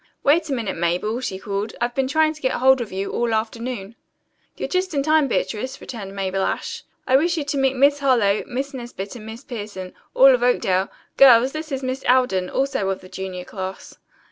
"Wait a minute, Mabel," she called. "I've been trying to get hold of you all afternoon." "You're just in time, Beatrice," returned Mabel Ashe. "I wish you to meet Miss Harlowe, Miss Nesbit, and Miss Pierson, all of Oakdale. Girls, this is Miss Alden, also of the junior class."